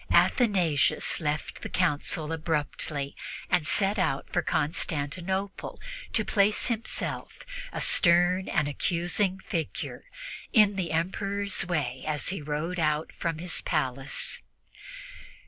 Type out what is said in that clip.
Athanasius left the Council abruptly and set out for Constantinople to place himself, a stern and accusing figure, in the Emperor's way as he rode out from his palace.